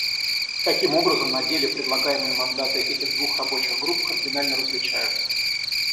Таким образом, на деле предлагаемые мандаты этих двух рабочих групп кардинально различаются.